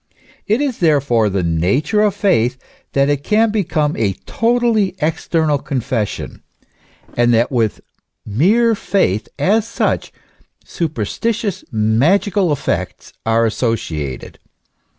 It is therefore of the nature of faith that it can become a totally external confession ; and that with mere faith, as such, superstitious, magical effects are associated.